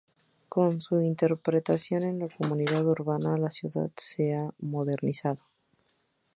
Con su integración en la comunidad urbana, la ciudad se ha modernizado.